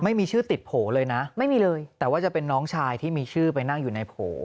ไม่มีชื่อติดโผล่เลยนะไม่มีเลยแต่ว่าจะเป็นน้องชายที่มีชื่อไปนั่งอยู่ในโผล่